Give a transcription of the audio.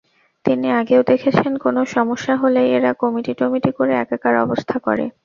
তিনি আগেও দেখেছেন, কোনো সমস্যা হলেই এরা কমিটি-টমিটি করে একাকার অবস্থা করে।